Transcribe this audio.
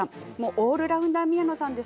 オールラウンダー宮野さん